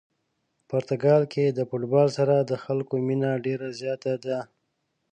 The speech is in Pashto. پرتګال کې د فوتبال سره د خلکو مینه ډېره زیاته ده.